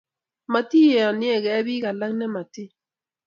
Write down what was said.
Matiyaniekei pik alak ne motiny.